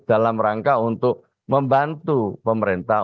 dalam rangka untuk membantu pemerintah